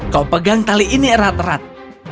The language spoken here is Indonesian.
kau pegang tali ini erat erat